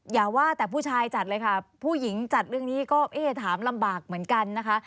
อย่าว่าแต่ผู้ชายจัดเลยค่ะผู้หญิงจัดเรื่องนี้ก็เอ๊ะถามลำบากเหมือนกันนะคะ